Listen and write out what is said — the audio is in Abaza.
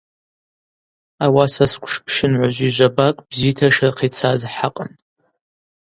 Ауаса сквшпщынгӏважвижвабакӏ бзита йшырхъицаз хӏакъын.